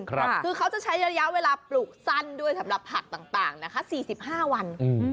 คือเขาจะใช้ระยะเวลาปลูกสั้นด้วยสำหรับผักต่างนะคะ๔๕วัน